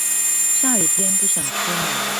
下雨天不想出門？